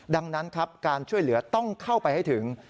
ดังนั้นครับการช่วยเหลือต้องเข้าไปให้ถึง